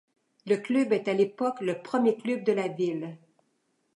Le club est à l'époque le premier club de la ville.